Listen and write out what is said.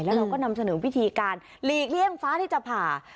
แล้วเราก็นำเสนอวิธีการหลีกเลี่ยงฟ้าที่จะผ่า